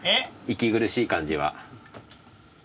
息苦い感じは？